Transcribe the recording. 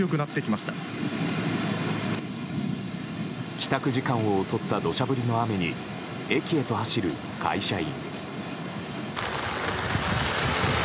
帰宅時間を襲った土砂降りの雨に駅へと走る会社員。